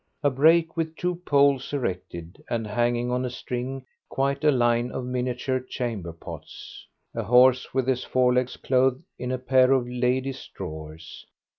A brake with two poles erected, and hanging on a string quite a line of miniature chamber pots. A horse, with his fore legs clothed in a pair of lady's drawers.